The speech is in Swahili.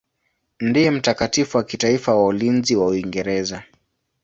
Ndiye mtakatifu wa kitaifa wa ulinzi wa Uingereza.